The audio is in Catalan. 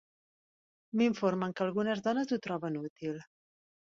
M'informen que algunes dones ho troben útil.